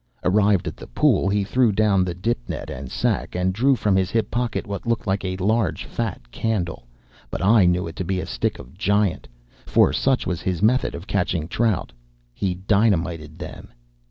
Arrived at the pool, he threw down the dip net and sack, and drew from his hip pocket what looked like a large, fat candle. But I knew it to be a stick of "giant"; for such was his method of catching trout. He dynamited them.